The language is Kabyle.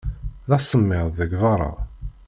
D asemmiḍ deg beṛṛa.